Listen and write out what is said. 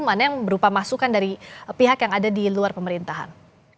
mana yang berupa masukan dari pihak yang ada di luar pemerintahan